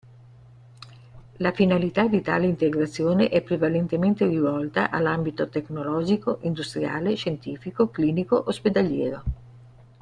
La finalità di tale integrazione è prevalentemente rivolta all’ambito tecnologico, industriale, scientifico, clinico, ospedaliero.